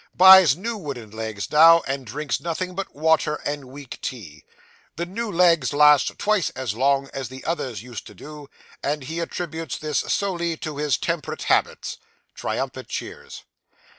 Buys new wooden legs now, and drinks nothing but water and weak tea. The new legs last twice as long as the others used to do, and he attributes this solely to his temperate habits (triumphant cheers).